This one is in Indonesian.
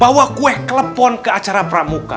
bawa kue klepon ke acara pramuka